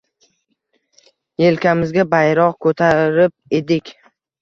Yelkamizga bayroq ko‘tarib edik.